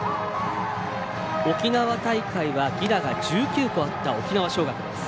沖縄大会は犠打が１９個あった沖縄尚学です。